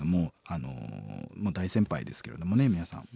あの大先輩ですけれどもね皆さん